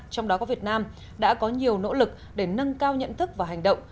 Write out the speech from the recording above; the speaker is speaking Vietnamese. trong đó có việt nam đã có nhiều nỗ lực để nâng cao nhận thức và hành động